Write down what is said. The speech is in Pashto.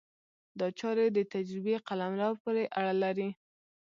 دا چارې د تجربې قلمرو پورې اړه لري.